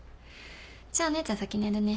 じゃあお姉ちゃん先寝るね。